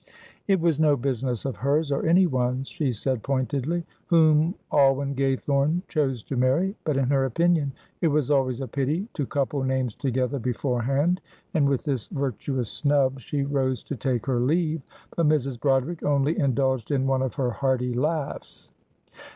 "It was no business of hers or anyone's," she said, pointedly, "whom Alwyn Gaythorne chose to marry, but in her opinion it was always a pity to couple names together beforehand," and with this virtuous snub she rose to take her leave, but Mrs. Broderick only indulged in one of her hearty laughs.